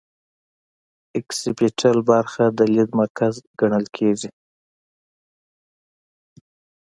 اکسیپیټل برخه د لید مرکز ګڼل کیږي